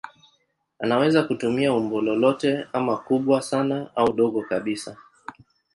Anaweza kutumia umbo lolote ama kubwa sana au dogo kabisa.